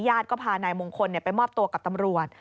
ก็พานายมงคลไปมอบตัวกับตำรวจ